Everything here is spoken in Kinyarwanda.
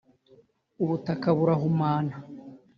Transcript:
ubutaka burahumana